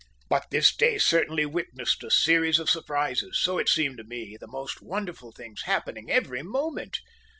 But this day certainly witnessed a series of surprises, so it seemed to me, the most wonderful things happening every moment.